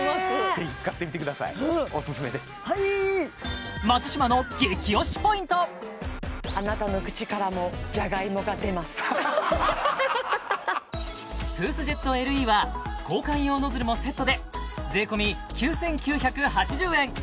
ぜひ使ってみてくださいオススメですあなたの口からもじゃがいもが出ますトゥースジェットＬＥは交換用ノズルもセットで税込９９８０円